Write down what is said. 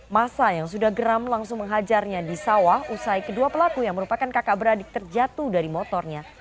masa yang sudah geram langsung menghajarnya di sawah usai kedua pelaku yang merupakan kakak beradik terjatuh dari motornya